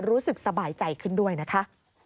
รู้สึกสบายใจขึ้นด้วยนะคะ